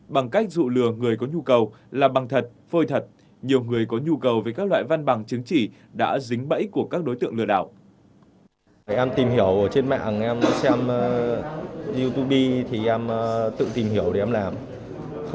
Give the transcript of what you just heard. bằng cách dụ lừa người có nhu cầu làm bằng thật phơi thật nhiều người có nhu cầu về các loại văn bằng chứng chỉ đã dính bẫy của các đối tượng lừa đảo